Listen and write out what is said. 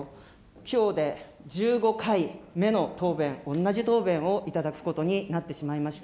きょうで１５回目の答弁、同じ答弁をいただくことになってしまいました。